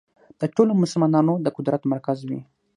د ټولو مسلمانانو د قدرت مرکز وي.